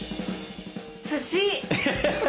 すし！